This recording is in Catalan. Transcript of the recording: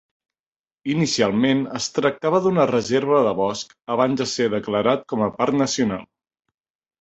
Inicialment es tractava d'una reserva de bosc abans de ser declarat com a parc nacional.